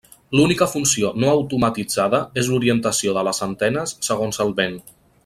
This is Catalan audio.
L'única funció no automatitzada és l'orientació de les antenes segons el vent.